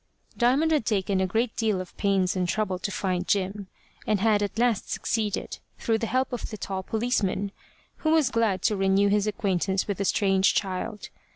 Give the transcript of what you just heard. Diamond had taken a great deal of pains and trouble to find Jim, and had at last succeeded through the help of the tall policeman, who was glad to renew his acquaintance with the strange child.